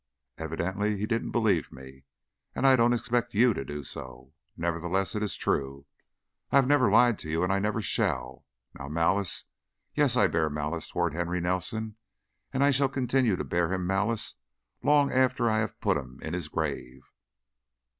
Evidently he didn't believe me, and I don't expect you to do so. Nevertheless, it is true. I have never lied to you, and I never shall. Now, malice Yes, I bear malice toward Henry Nelson and I shall continue to bear him malice long after I have put him in his grave."